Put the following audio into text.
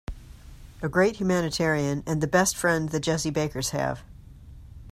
A great humanitarian and the best friend the Jessie Bakers have.